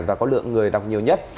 và có lượng người đọc nhiều nhất